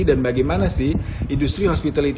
bagaimana sih industri hospitality